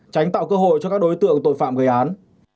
tránh tạo cơ hội cho các đối tượng tội phạm gây án